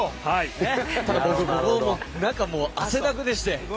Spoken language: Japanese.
中、汗だくでして。